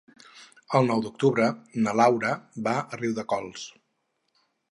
El nou d'octubre na Laura va a Riudecols.